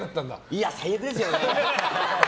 いや、最悪ですよね。